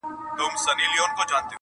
په قدم قدم روان پر لور د دام سو -